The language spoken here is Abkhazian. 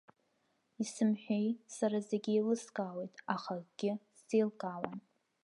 Исымҳәеи, сара зегьы еилыскаауеит, аха акгьы сзеилкаауам.